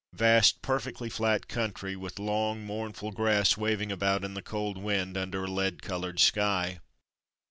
Vast, perfectly flat country, with long, mourn ful grass wav ing about in the cold wind under a lead coloured sky.